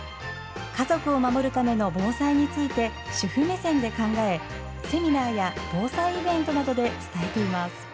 家族を守るための防災について主婦目線で考えセミナーや防災イベントなどで伝えています。